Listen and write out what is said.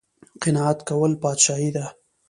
قناعت کول پادشاهي ده